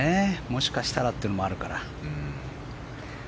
もしかしたらというのがあるから。